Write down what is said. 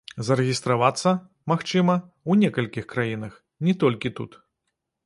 Зарэгістравацца, магчыма, у некалькіх краінах, не толькі тут.